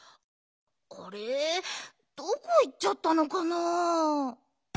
あれっどこいっちゃったのかな？